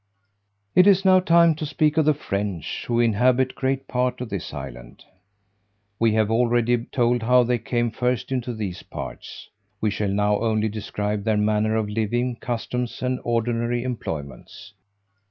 It is now time to speak of the French who inhabit great part of this island. We have already told how they came first into these parts: we shall now only describe their manner of living, customs, and ordinary employments.